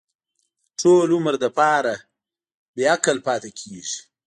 د ټول عمر لپاره بې عقل پاتې کېږي.